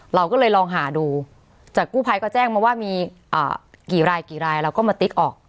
เราก็เลยลองหาดูจากกู้ภัยก็แจ้งมาว่ามีกี่รายกี่รายเราก็มาติ๊กออก